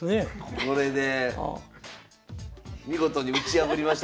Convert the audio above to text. これで見事に打ち破りました。